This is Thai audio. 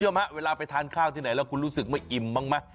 เยี่ยมฮะเวลาไปทานข้าวที่ไหนแล้วคุณรู้สึกไม่อิ่มบ้างมั้ย